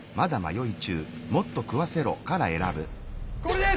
これです！